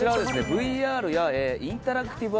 ＶＲやインタラクティブ